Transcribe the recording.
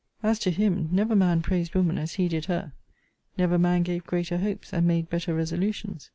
As to him, never man praised woman as he did her: Never man gave greater hopes, and made better resolutions.